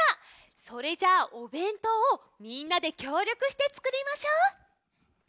それじゃ「おべんとう」をみんなできょうりょくしてつくりましょう！